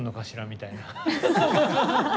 みたいな。